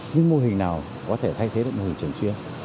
nhưng mô hình nào có thể thay thế được mô hình trường chuyên